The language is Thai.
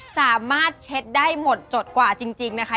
สามารถเช็ดได้หมดจดกว่าจริงนะคะ